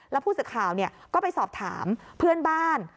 แล้วผู้สื่อข่าวก็ไปสอบถามเพื่อนบ้าน